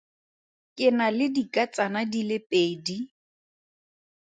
Ke na le dikatsana di le pedi.